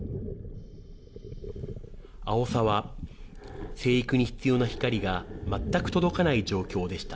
アオサは生育に必要な光が全く届かない状況でした。